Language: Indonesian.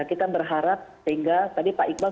kita berharap sehingga tadi pak iqbal